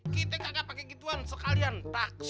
kita gak akan pakai gituan sekalian taksi